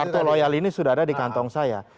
kartu loyal ini sudah ada di kantong saya